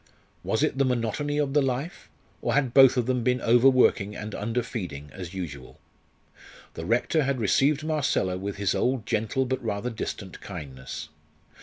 Was it the monotony of the life? or had both of them been overworking and underfeeding as usual? The Rector had received Marcella with his old gentle but rather distant kindness.